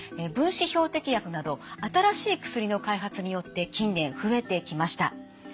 分子標的薬など新しい薬の開発によって近年増えてきました。